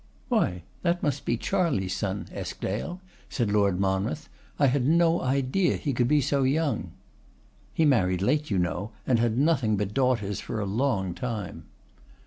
'Why, that must be Charley's son, Eskdale,' said Lord Monmouth; 'I had no idea he could be so young.' 'He married late, you know, and had nothing but daughters for a long time.